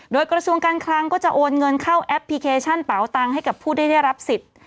โดยกระทรวงการคลังก็จะโอนเงินเข้าแอปพลิเคชันเป๋าตังค์ให้กับผู้ที่ได้รับสิทธิ์